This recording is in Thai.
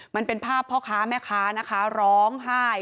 มันเป็นภาพพ่อข้าแม่ข้าร้องห้าย